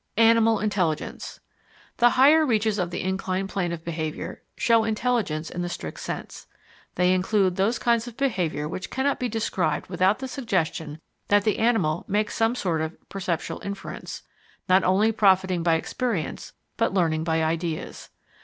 Animal Intelligence The higher reaches of the inclined plane of behaviour show intelligence in the strict sense. They include those kinds of behaviour which cannot be described without the suggestion that the animal makes some sort of perceptual inference, not only profiting by experience but learning by ideas.